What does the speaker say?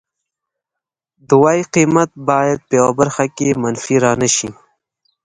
د وای قیمت باید په یوه برخه کې منفي را نشي